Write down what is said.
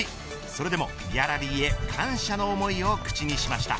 それでも、ギャラリーへ感謝の思いを口にしました。